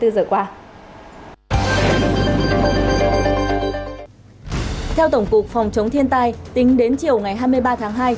theo tổng cục phòng chống thiên tai tính đến chiều ngày hai mươi ba tháng hai